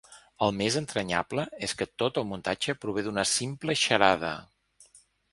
El més entranyable és que tot el muntatge prové d'una simple xarada.